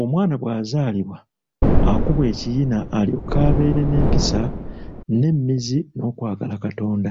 Omwana bw’azaalibwa akubwa ekiyina alyoke abeere n’empisa n’emmizi n’okwagala Katonda.